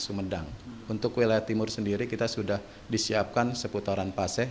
sumedang untuk wilayah timur sendiri kita sudah disiapkan seputaran paseh